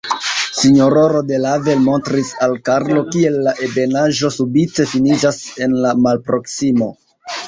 Sinjororo de Lavel montris al Karlo, kiel la ebenaĵo subite finiĝas en la malproksimo.